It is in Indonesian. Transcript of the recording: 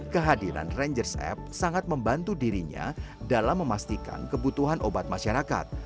kehadiran rangers app sangat membantu dirinya dalam memastikan kebutuhan obat masyarakat